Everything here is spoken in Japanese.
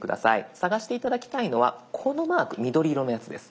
探して頂きたいのはこのマーク緑色のやつです。